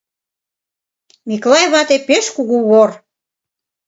Миклай вате пеш кугу вор.